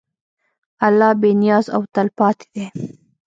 الله بېنیاز او تلپاتې دی.